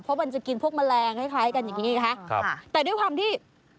เพราะมันจะกินพวกแมลงคล้ายคล้ายกันอย่างงี้คะครับแต่ด้วยความที่